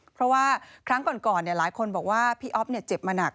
เพราะว่าครั้งก่อนหลายคนบอกว่าพี่อ๊อฟเจ็บมาหนัก